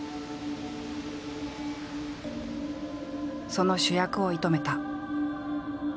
その主役を射止めた。